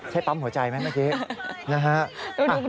ใช้ปั๊มหัวใจไหมเมื่อกี้